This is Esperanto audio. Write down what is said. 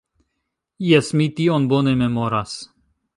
Jes, mi tion bone memoras.